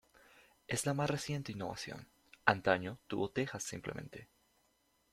Es la más reciente innovación; antaño tuvo tejas simplemente.